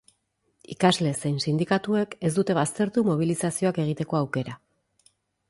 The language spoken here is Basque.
Ikasle zein sindikatuek ez dute baztertu mobilizazioak egiteko aukera.